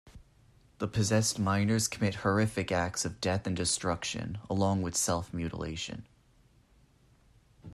The possessed miners commit horrific acts of death and destruction, along with self-mutilation.